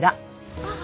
ああ。